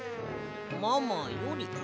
ママより」。